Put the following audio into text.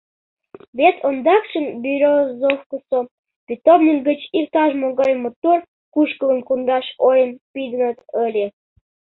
Вет ондакшым Берёзовкысо питомник гыч иктаж-могай мотор кушкылым кондаш ойым пидыныт ыле.